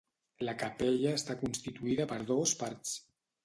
La capella està constituïda per dos parts.